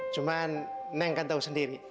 cuman neng kan tau sendiri